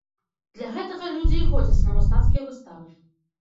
Для гэтага людзі і ходзяць на мастацкія выставы.